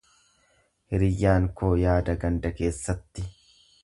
Hiriyyaan koo yaada ganda keessatti.